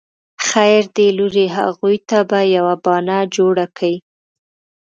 خير دی لورې اغوئ ته به يوه بانه جوړه کې.